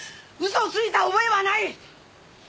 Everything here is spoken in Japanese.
嘘をついた覚えはない！